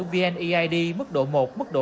vneid mức độ một mức độ hai